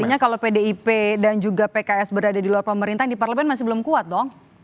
artinya kalau pdip dan juga pks berada di luar pemerintahan di parlemen masih belum kuat dong